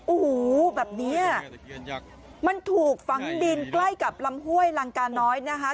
โอ้โหแบบนี้มันถูกฝังดินใกล้กับลำห้วยลังกาน้อยนะคะ